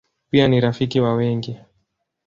Pia ni rafiki wa wengi.